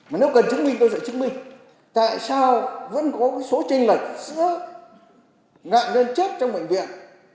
mà nếu cần chứng minh tôi sẽ chứng minh tại sao vẫn có số tranh lệch giữa ngạn nhân chết trong bệnh viện